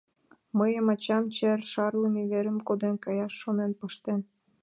Мыйын ачам чер шарлыме верым коден каяш шонен пыштен.